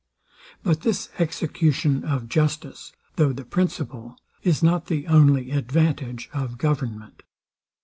But this execution of justice, though the principal, is not the only advantage of government.